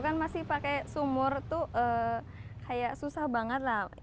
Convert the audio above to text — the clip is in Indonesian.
kan masih pakai sumur tuh kayak susah banget lah